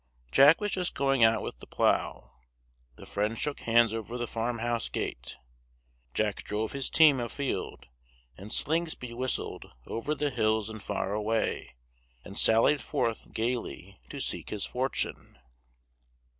Jack was just going out with the plough: the friends shook hands over the farm house gate; Jack drove his team afield, and Slingsby whistled "Over the hills, and far away," and sallied forth gaily to "seek his fortune."